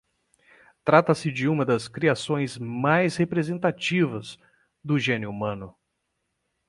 Trata-se de uma das criações mais representativas do génio humano